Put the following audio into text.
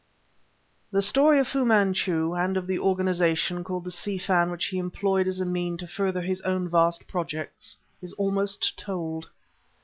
The story of Fu Manchu, and of the organization called the Si Fan which he employed as a means to further his own vast projects, is almost told.